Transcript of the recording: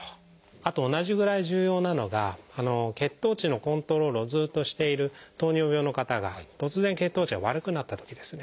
あと同じぐらい重要なのが血糖値のコントロールをずっとしている糖尿病の方が突然血糖値が悪くなったときですね。